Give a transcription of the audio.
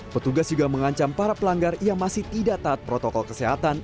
petugas juga mengancam para pelanggar yang masih tidak taat protokol kesehatan